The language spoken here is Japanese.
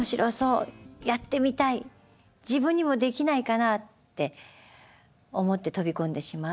自分にもできないかな」って思って飛び込んでしまう。